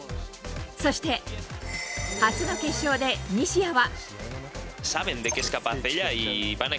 そして、初の決勝で西矢は。